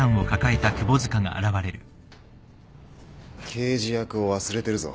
刑事役を忘れてるぞ。